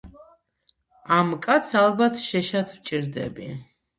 ამ კაცს ალბათ შეშად ვჭირდები.